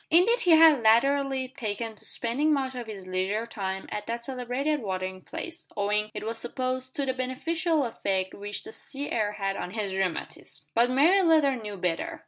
Indeed he had latterly taken to spending much of his leisure time at that celebrated watering place, owing, it was supposed, to the beneficial effect which the sea air had on his rheumatism. But May Leather knew better.